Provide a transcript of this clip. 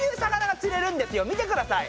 見てください。